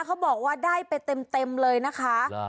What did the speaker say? เขาบอกว่าได้ไปเต็มเลยนะคะ